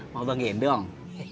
mau bangin dong